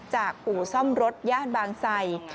จากอู่ซ่อมรถย่านบางไซค์